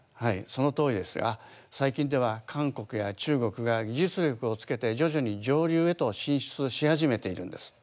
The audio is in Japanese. そのとおりですが最近では韓国や中国が技術力をつけて徐々に上流へと進出し始めているんです。